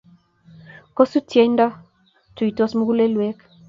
Kosu tiendo, tuitos mugulekwek